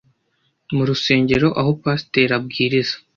mu rusengero aho pasiteri abwiriza